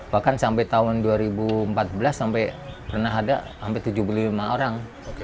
bahkan sampai tahun dua ribu empat belas sampai pernah ada hampir tujuh puluh lima orang